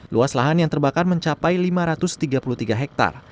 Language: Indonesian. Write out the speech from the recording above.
luas lahan yang terbakar mencapai lima ratus tiga puluh tiga hektare